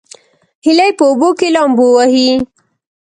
هیلۍ په اوبو کې لامبو وهي